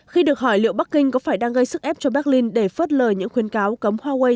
khi được hỏi liệu bắc kinh có phải đang gây sức ép cho berlin để phớt lời những khuyến cáo cấm huawei